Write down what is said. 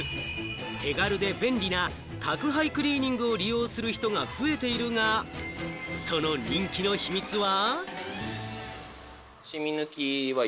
手軽で便利な宅配クリーニングを利用する人が増えているが、その人気の秘密は。